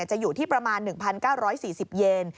จะอยู่ที่ประมาณ๑๙๔๐เยน